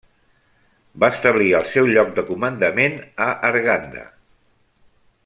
Va establir el seu lloc de comandament a Arganda.